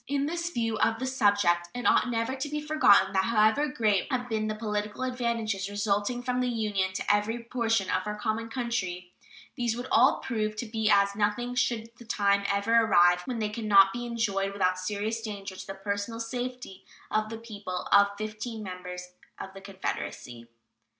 In this view of the subject, it ought never to be forgotten that however great may have been the political advantages resulting from the Union to every portion of our common country, these would all prove to be as nothing should the time ever arrive when they can not be enjoyed without serious danger to the personal safety of the people of fifteen members of the Confederacy.